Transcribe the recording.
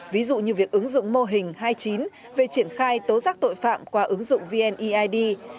ví dụ như việc ứng dụng mô hình hai mươi chín về triển khai tố giác tội phạm qua ứng dụng vneid